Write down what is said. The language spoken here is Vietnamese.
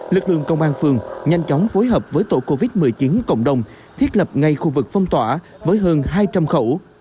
lực lượng công an phường nhanh chóng phối hợp với tổ covid một mươi chín cộng đồng thiết lập ngay khu vực phong tỏa với hơn hai trăm linh khẩu